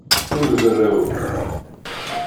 Ur zerrew.